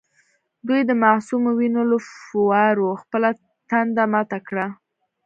دوی د معصومو وینو له فووارو خپله تنده ماته کړه.